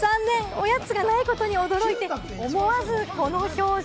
おやつがないことに驚いて、思わずこの表情。